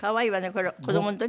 これ子供の時？